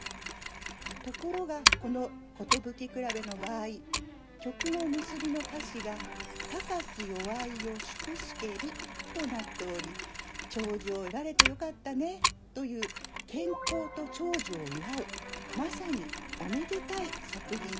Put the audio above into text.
ところがこの「寿くらべ」の場合曲の結びの歌詞がとなっており「長寿を得られてよかったね」という健康と長寿を祝うまさにおめでたい作品になっています。